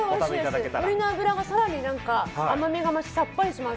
鶏の油が更に増してさっぱりします！